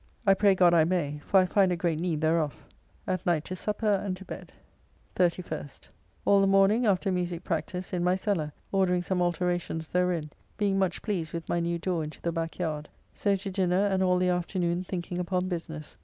I pray God I may, for I find a great need thereof. At night to supper and to bed. 31st. All the morning, after musique practice, in my cellar, ordering some alteracons therein, being much pleased with my new door into the back yard. So to dinner, and all the afternoon thinking upon business.